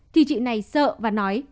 thì chị này sợ và nói